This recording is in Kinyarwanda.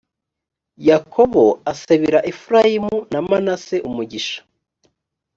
yakobo asabira efurayimu na manase umugisha